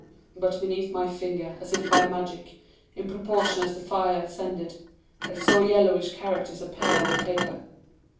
"But beneath my fingers, as if by magic, in proportion as the fire ascended, I saw yellowish characters appear on the paper.